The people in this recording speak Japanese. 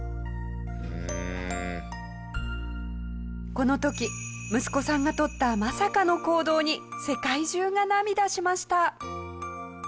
この時息子さんがとったまさかの行動に世界中が涙しました。